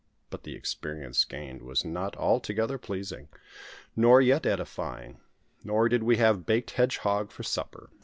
But the experience gained was not altogether pleasing, nor yet edifying; nor did we have baked hedgehog for supper.